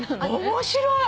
面白い！